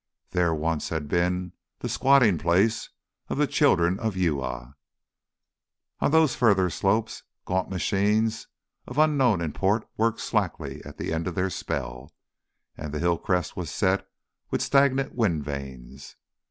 There once had been the squatting place of the children of Uya. On those further slopes gaunt machines of unknown import worked slackly at the end of their spell, and the hill crest was set with stagnant wind vanes.